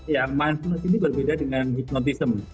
ya mindfulness ini berbeda dengan hipnotism